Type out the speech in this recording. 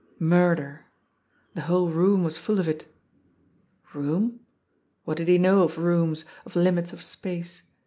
Murder. The whole room was full of it Boom? What did he know of rooms, of limits of space.